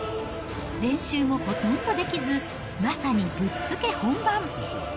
練習もほとんどできず、まさにぶっつけ本番。